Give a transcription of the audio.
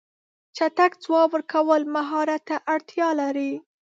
چټک ځواب ورکول مهارت ته اړتیا لري.